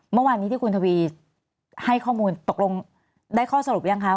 เมื่อวานนี้ที่คุณทวีให้ข้อมูลตกลงได้ข้อสรุปยังคะ